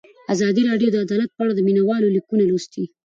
ازادي راډیو د عدالت په اړه د مینه والو لیکونه لوستي.